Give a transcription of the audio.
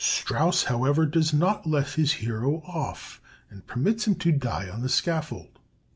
Strauss, however, does not let his hero off, and permits him to die on the scaffold.